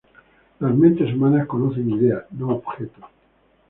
Las mentes humanas conocen ideas, no objetos.